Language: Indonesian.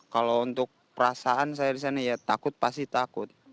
kalau untuk perasaan saya di sana ya takut pasti takut